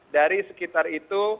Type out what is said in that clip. dari sekitar itu